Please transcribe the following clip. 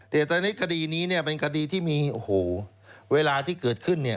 แต่ตอนนี้คดีนี้เป็นคดีที่มีเวลาที่เกิดขึ้น